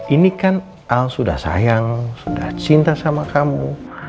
ini kan al sudah sayang sudah cinta sama kamu